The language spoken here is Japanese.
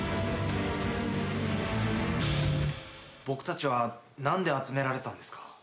僕たちは何で集められたんですか？